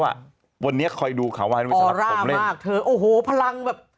วันนี้คอยดูขาวายเป็นสำหรับผมเล่นมากเธอโอ้โหพลังแบบ